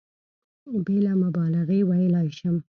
بېله مبالغې ویلای شم.